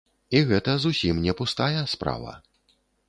І гэта зусім не пустая справа.